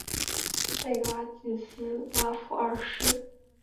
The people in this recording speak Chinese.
弗拉季斯拉夫二世更在此战中夺去莱茵费尔登的鲁道夫的金剑。